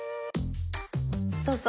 どうぞ。